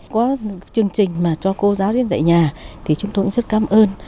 có chương trình mà cho cô giáo đến dạy nhà thì chúng tôi cũng rất cảm ơn